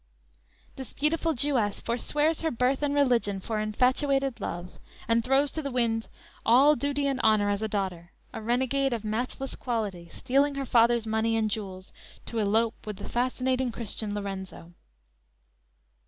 "_ This beautiful Jewess forswears her birth and religion for infatuated love, and throws to the winds all duty and honor as a daughter; a renegade of matchless quality, stealing her father's money and jewels to elope with the fascinating Christian Lorenzo.